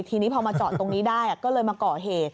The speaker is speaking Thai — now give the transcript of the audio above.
ทีนี้พอมาจอดตรงนี้ได้ก็เลยมาก่อเหตุ